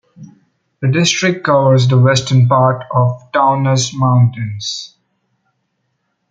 The district covers the western part of the Taunus mountains.